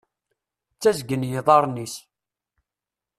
Ttazgen yiḍarren-is.